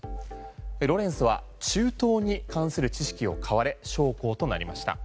ロレンスは中東に関する知識を買われ将校となりました。